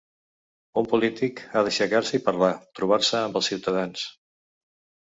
Un polític ha d’aixecar-se i parlar, trobar-se amb els ciutadans.